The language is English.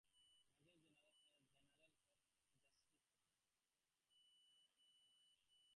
Major General of Justice.